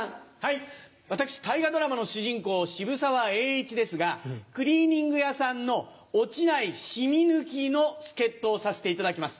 私大河ドラマの主人公渋沢栄一ですがクリーニング屋さんの落ちない染み抜きの助っ人をさせていただきます。